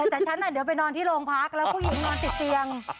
แต่ฉันเดี๋ยวไปนอนที่โรงพักแล้วผู้หญิงนอนติดเตียง